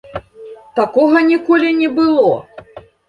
Такога ніколі не было!